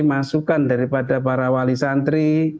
masukan daripada para wali santri